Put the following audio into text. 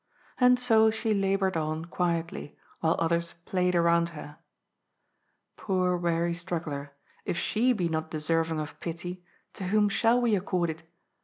And so she laboured on quietly, while others played around her. Poor weary straggler, if she be not deserving of pity, to whom shall we accord it?